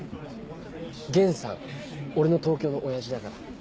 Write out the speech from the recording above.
玄さん俺の東京の親父だから。